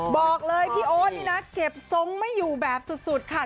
บอกเลยพี่โอ๊ตนี่นะเก็บทรงไม่อยู่แบบสุดค่ะ